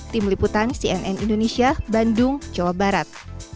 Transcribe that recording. tim liputan cnn indonesia bandung jawa barat